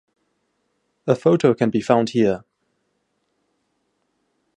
A photo can be found here.